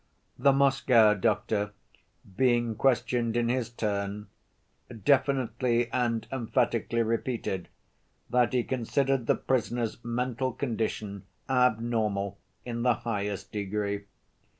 The Moscow doctor, being questioned in his turn, definitely and emphatically repeated that he considered the prisoner's mental condition abnormal in the highest degree.